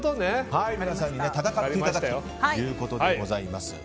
皆さんに戦っていただきたいということでございます。